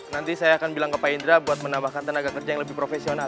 nanti saya akan bilang ke pak indra buat menambahkan tenaga kerja yang lebih profesional